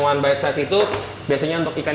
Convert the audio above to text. wine by size itu biasanya untuk ikan